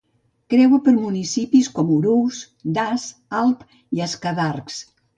Creua per municipis com Urús, Das, Alp i Escadarcs.